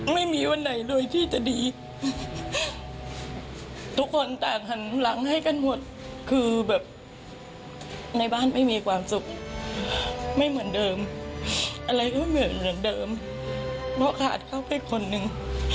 ไม่มีวันไหนเลยที่จะดีทุกคนต่างหันหลังให้กันหมดคือแบบในบ้านไม่มีความสุขไม่เหมือนเดิมอะไรก็เหมือนเดิมเพราะขาดเข้าไปคนหนึ่ง